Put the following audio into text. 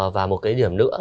và một cái điểm nữa